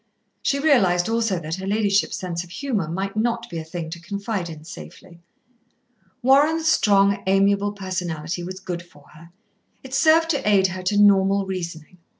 She realised also that her ladyship's sense of humour might not be a thing to confide in safely. Warren's strong, amiable personality was good for her. It served to aid her to normal reasoning.